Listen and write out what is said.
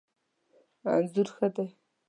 انځور ښه دی